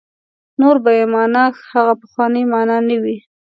نور به یې معنا هغه پخوانۍ معنا نه وي.